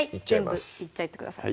全部いっちゃってください